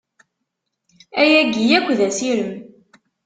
Ayagi yakk d asirem.